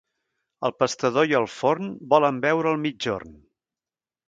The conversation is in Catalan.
El pastador i el forn volen veure el migjorn.